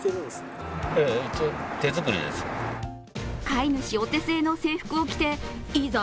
飼い主お手製の制服を着ていざ